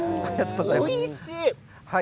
おいしい。